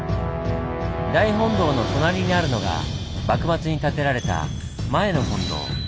大本堂の隣にあるのが幕末に建てられた「前の本堂」。